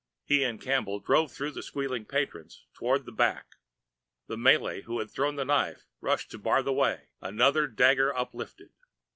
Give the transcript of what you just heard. He and Campbell drove through the squealing patrons toward the back. The Malay who had thrown the knife rushed to bar the way, another dagger uplifted.